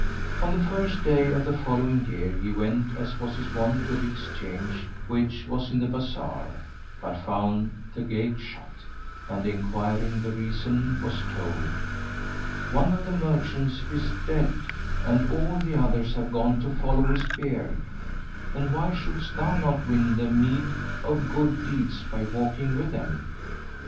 On the first day of the following year he went, as was his wont, to the Exchange which was in the bazar, but found the gate shut; and enquiring the reason was told, "One of the merchants is dead and all the others have gone to follow his bier,[FN#82] and why shouldst thou not win the meed of good deeds by walking with them?"